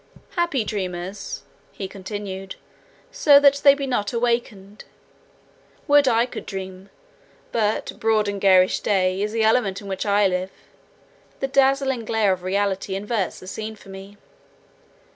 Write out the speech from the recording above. "Happy are dreamers," he continued, "so that they be not awakened! Would I could dream! but 'broad and garish day' is the element in which I live; the dazzling glare of reality inverts the scene for me.